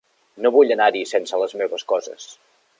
No vull anar-hi sense les meves coses.